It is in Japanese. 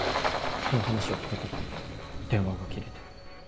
その話を振った途端に電話が切れて。